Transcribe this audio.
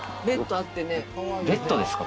ベッドですか？